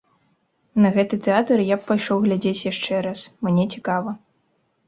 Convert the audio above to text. На гэты тэатр я б пайшоў глядзець яшчэ раз, мне цікава.